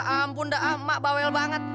ampun mak bawel banget